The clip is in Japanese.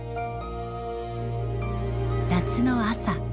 夏の朝。